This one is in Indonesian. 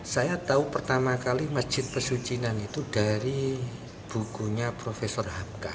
saya tahu pertama kali masjid pesucinan itu dari bukunya prof hamka